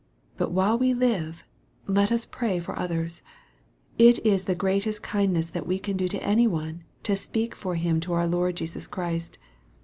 But while we live, let us pray for others. It is the greatest kindness we can do to any one, to speak for him to our Lord Jesus Christ.